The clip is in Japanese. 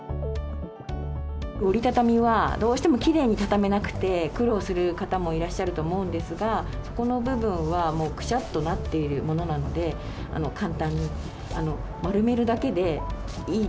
折り畳みはどうしてもきれいに畳めなくて、苦労する方もいらっしゃると思うんですが、この部分は、もうくしゃっとなっているものなので、簡単に丸めるだけでいい。